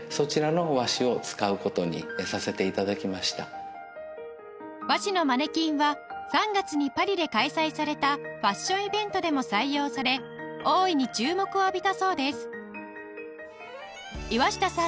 岩下さんの和紙のマネキンは３月にパリで開催されたファッションイベントでも採用され大いに注目を浴びたそうです